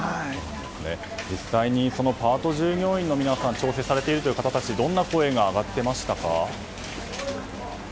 実際にパート従業員の皆さん調整されている方どんな声が上がっていましたか。